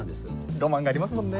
ロマンがありますもんね。